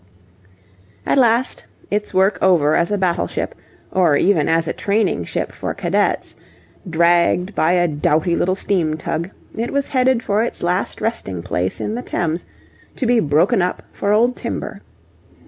At last, its work over as a battleship, or even as a training ship for cadets, dragged by a doughty little steam tug, it was headed for its last resting place in the Thames, to be broken up for old timber.